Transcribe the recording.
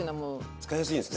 使いやすいんですね？